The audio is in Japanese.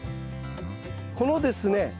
このですね